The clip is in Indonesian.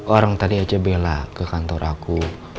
orang tadi aja bela ke kantor aku